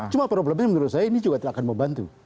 cuma problemnya menurut saya ini juga akan membantu